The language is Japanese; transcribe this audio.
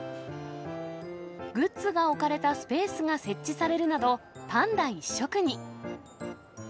グッズが置かれたスペースが設置されるなど、パンダ一色に。